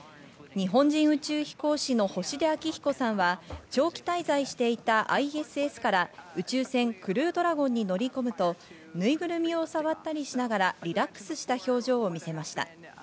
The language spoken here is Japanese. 日本人宇宙飛行士の星出彰彦さんは長期滞在していたＩＳＳから宇宙船クルードラゴンに乗り込むと、ぬいぐるみを触ったりしながらリラックスした表情を見せました。